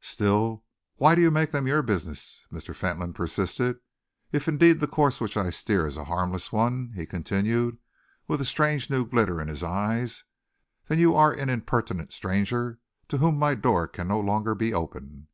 "Still, why do you make them your business?" Mr. Fentolin persisted. "If indeed the course which I steer is a harmless one," he continued, with a strange new glitter in his eyes, "then you are an impertinent stranger to whom my doors cannot any longer be open.